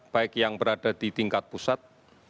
baik yang berada di tingkat pusat